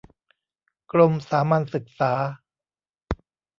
กรมสามัญศึกษา